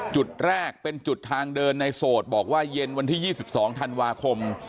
จุดแรกเป็นจุดทางเดินในโสดบอกว่าเย็นวันที่๒๒ธันวาคม